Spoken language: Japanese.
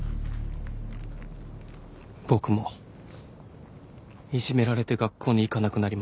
僕もいじめられて学校に行かなくなりました。